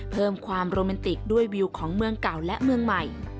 เพิ่มความโรแมนติกด้วยวิวของเมืองเก่าและเมืองใหม่